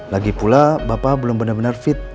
lagipula bapak belum benar benar fit